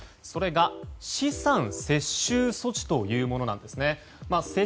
それが資産接収措置というものです。